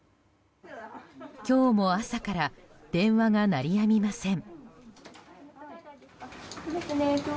今日も朝から電話が鳴りやみません。